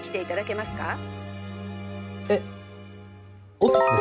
オフィスですか？